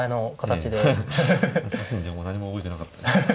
もう何も覚えてなかった。